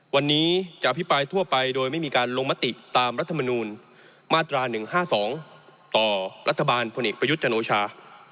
วันนี้จะอภิปรายทั่วไปโดยไม่มีการลงมติตามรัฐมนูลมาตรา๑๕๒ต่อรัฐบาลพลเอกประยุทธ์จันโอชา